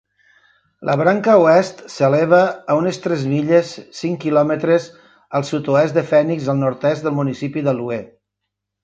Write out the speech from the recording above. La branca oest s'eleva a unes tres milles (cinc quilòmetres) al sud-oest de Fènix, al nord-est del municipi d'Allouez.